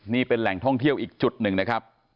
นี่เป็นแหล่งท่องเที่ยวอีกจุดหนึ่งนะครับ